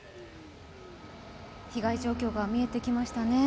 被害状況が見えてきましたね。